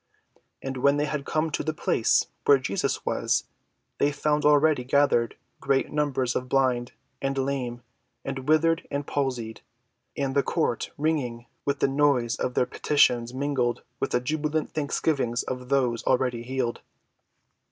And when they had come to the place where Jesus was, they found already gathered great numbers of blind and lame and withered and palsied, and the court ringing with the noise of their petitions mingled with the jubilant thanksgivings of those already healed.